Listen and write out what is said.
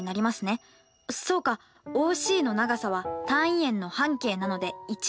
そうかＯＣの長さは単位円の半径なので１。